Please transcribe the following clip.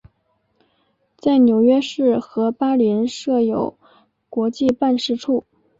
在纽约市和巴林设有国际办事处。